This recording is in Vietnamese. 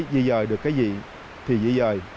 dị dời được cái gì thì dị dời